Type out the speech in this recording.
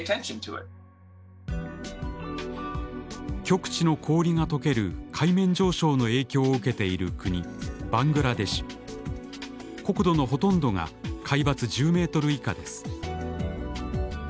極地の氷がとける海面上昇の影響を受けている国国土のほとんどが海抜１０ｍ以下です。